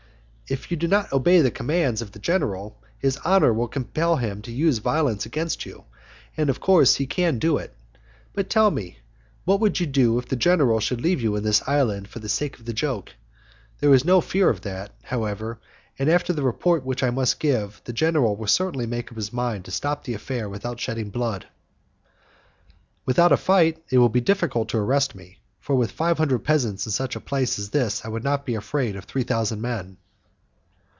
"If you do not obey the commands of the general, his honour will compel him to use violence against you, and of course he can do it. But tell me, what would you do if the general should leave you in this island for the sake of the joke? There is no fear of that, however, and, after the report which I must give, the general will certainly make up his mind to stop the affair without shedding blood." "Without a fight it will be difficult to arrest me, for with five hundred peasants in such a place as this I would not be afraid of three thousand men."